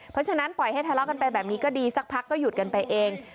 เพราะฉะนั้นปล่อยให้ทะเลาะกันไปแบบนี้ก็ดีสักพักก็หยุดกันไปเอง